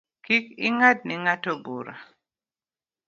Kik ing’ad ni ng’ato bura